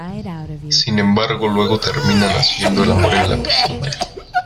Sin embargo, luego terminan haciendo el amor en la piscina.